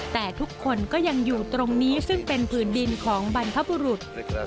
แต่ทุกคนก็ยังอยู่ตรงนี้ซึ่งเป็นผืนดินของบรรพบุรุษ